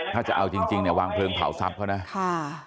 ถ้าจะเอาจริงเนี่ยวางเพลิงเผาทรัพย์เขานะค่ะ